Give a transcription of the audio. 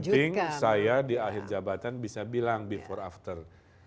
penting saya di akhir jabatan bisa bilang before after